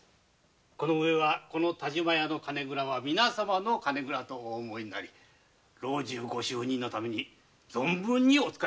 この上はこの但馬屋の金蔵は皆様の金蔵と思われ老中ご就任のために存分にお使いください。